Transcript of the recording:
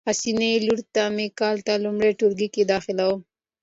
حسینه لور می کال ته لمړی ټولګي کی داخلیدوم